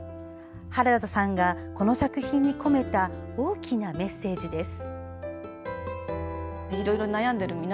原田さんが、この作品に込めた大きなメッセージです。